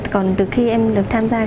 còn từ khi em được tham gia